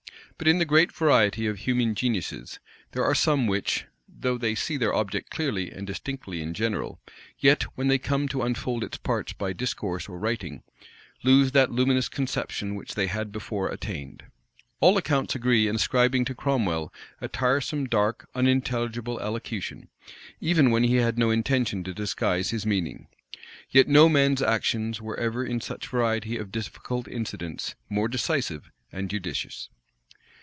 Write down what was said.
But in the great variety of human geniuses, there are some which, though they see their object clearly and distinctly in general, yet, when they come to unfold its parts by discourse or writing, lose that luminous conception which they had before attained. All accounts agree in ascribing to Cromwell a tiresome, dark, unintelligible elocution, even when he had no intention to disguise his meaning: yet no man's actions were ever, in such a variety of difficult incidents, more decisive and judicious.